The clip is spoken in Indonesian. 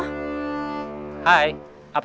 gak ada apa apa